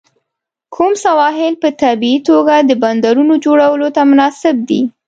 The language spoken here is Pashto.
کوم سواحل په طبیعي توګه د بندرونو جوړولو ته مناسب دي؟